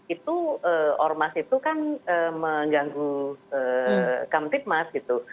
itu ormas itu kan mengganggu kamtipmas gitu